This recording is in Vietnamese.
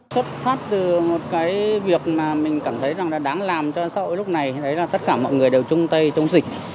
xuất phát từ một cái việc mà mình cảm thấy là đáng làm cho sau lúc này đấy là tất cả mọi người đều chung tay chung dịch